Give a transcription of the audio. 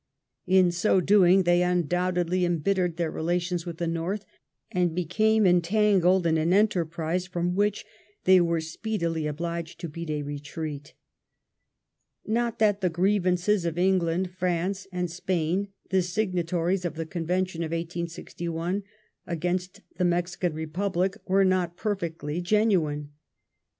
In so doing, they undoubtedly embittered thei^ relations with the North, and became entangled in an en terprise from which they were speedily obliged to beat a retreat. Not that the grievances of England, France, and Spain, the signatories of the Convention of 1861, against the Mexican Republic, were not perfectly genuine.